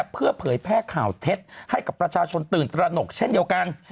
เพื่อเผยแพร่ข่าวเท็จให้กับประชาชนตื่นตระหนกเช่นเดียวกัน